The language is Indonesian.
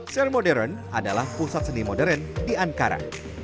sale modern adalah pusat seni modern di ankara